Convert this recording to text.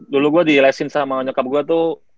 dulu gue di lesin sama nyokap gue tuh